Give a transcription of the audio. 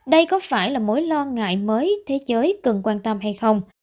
đây có phải là mối lo ngại mới thế giới cần quan tâm hay không